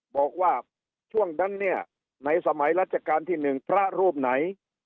บอกว่าช่วงนั้นเนี่ยในสมัยรัชกาลที่๑พระรูปไหน